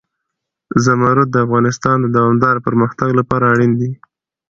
زمرد د افغانستان د دوامداره پرمختګ لپاره اړین دي.